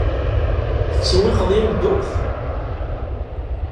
Tettsewwiqeḍ yal ddurt?